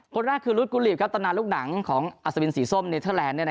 คนหน้าคือรุดกูหลีบครับตอนนั้นลูกหนังของอสมินสีส้มเนเทอร์แลนด์